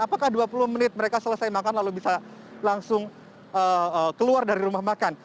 apakah dua puluh menit mereka selesai makan lalu bisa langsung keluar dari rumah makan